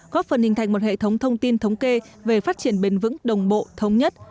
góp phần hình thành một hệ thống thông tin thống kê về phát triển bền vững đồng bộ thống nhất